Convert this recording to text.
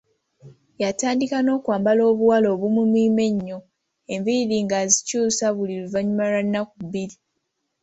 Yatandika n’okwambala obuwale obumumiima ennyo, enviiri ng’azikyusa buli luvannyuma lwa nnaku bbiri.